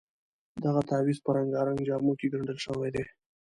دغه تعویض په رنګارنګ جامو کې ګنډل شوی دی.